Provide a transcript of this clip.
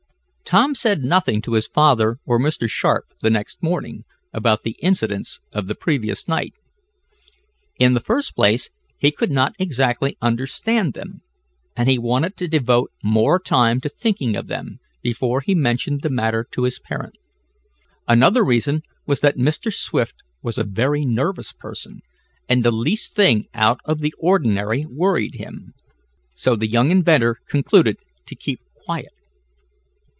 Tom said nothing to his father or Mr. Sharp, the next morning, about the incidents of the previous night. In the first place he could not exactly understand them, and he wanted to devote more time to thinking of them, before he mentioned the matter to his parent. Another reason was that Mr. Swift was a very nervous person, and the least thing out of the ordinary worried him. So the young inventor concluded to keep quiet.